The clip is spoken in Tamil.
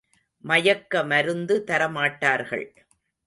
மயக்க மருந்து தரமாட்டார்கள்.